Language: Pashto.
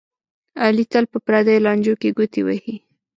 علي تل په پردیو لانجو کې ګوتې وهي.